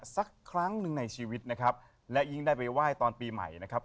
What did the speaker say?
สักครั้งหนึ่งในชีวิตนะครับและยิ่งได้ไปไหว้ตอนปีใหม่นะครับ